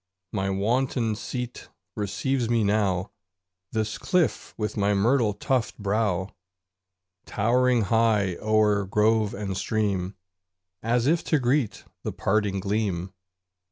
My wonted seat receives me now This cliff with myrtle tufted brow, Towering high o'er grove and stream, As if to greet the parting gleam.